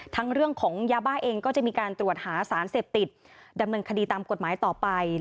เรื่องของยาบ้าเองก็จะมีการตรวจหาสารเสพติดดำเนินคดีตามกฎหมายต่อไป